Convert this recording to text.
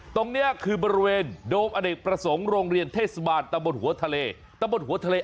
ตรงเนี้ยคือบริเวณโดมอเด็กประสงค์โรงเรียนเทศบาลตะบนหัวทะเล